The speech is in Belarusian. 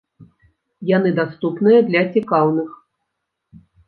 Яны даступныя для цікаўных.